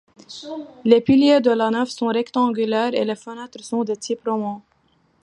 Les piliers de la nef sont rectangulaires et les fenêtres sont de type roman.